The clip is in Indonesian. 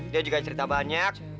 dia juga cerita banyak